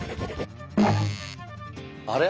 あれ？